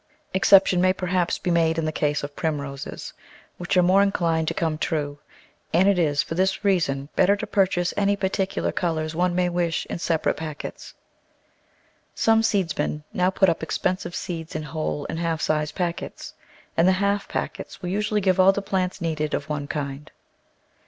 Exception may, perhaps, be made in the case of Primroses, which are more inclined to come true, and it is, for this reason, better to purchase any particular colours one may wish in separate packets. Some seedsmen now put up expensive seeds in whole and half sized packets, and the half packets will usually give all the plants needed of one kind.